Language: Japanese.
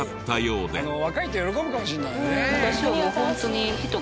若い人喜ぶかもしれないね。